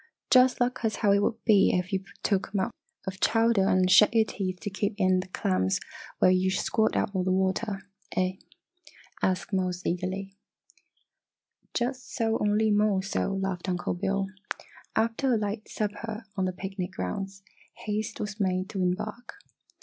"Jus' lak' es how it woul' be ef yo' took a mouf ful ov chowder en' shet yer teeth t' keep in d' clams whiles yo' squirt out all d' water, eh?" asked Mose, eagerly. "Just so, only more so!" laughed Uncle Bill. After a light supper on the picnic grounds, haste was made to embark.